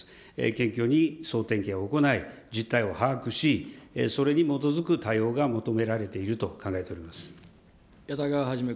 検挙に総点検を行い、実態を把握し、それに基づく対応が求められていると考えております。